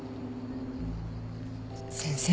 先生。